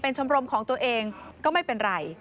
ชมรมของตัวเองก็ไม่เป็นไร